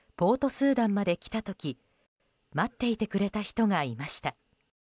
スーダンまで来た時待っていてくれた人がいました。